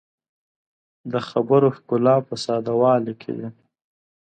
د خبرو ښکلا په ساده والي کې ده